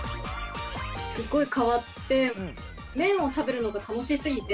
すごい変わって麺を食べるのが楽しすぎて。